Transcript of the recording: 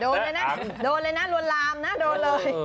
เลยนะโดนเลยนะลวนลามนะโดนเลย